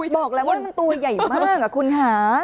บอกแล้วว่ามันตัวใหญ่มากคุณค่ะ